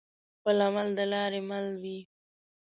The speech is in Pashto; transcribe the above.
خپل عمل د لاري مل وي